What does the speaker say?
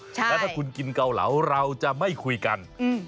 แล้วถ้าคุณกินเกาเหลาเราจะไม่คุยกัน